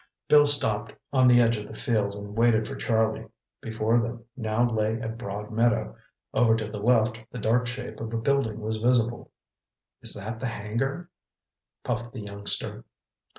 Bill stopped on the edge of the field and waited for Charlie. Before them now lay a broad meadow. Over to the left the dark shape of a building was visible. "Is that the hangar?" puffed the youngster.